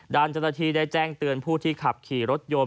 ด่านจตทีได้แจ้งเตือนผู้ที่ขับขี่รถโยน